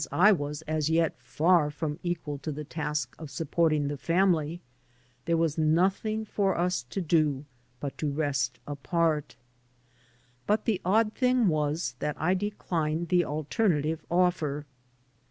I was as yet far from equal to the task of supporting the family, there was nothing for us to do but to rest apart. But the odd thing was that I declined the alternative oflFer.